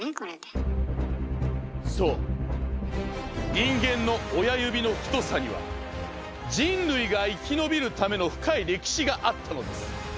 そう人間の親指の太さには人類が生き延びるための深い歴史があったのです。